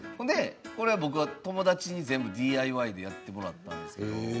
これは僕は友達に全部ＤＩＹでやってもらったんです。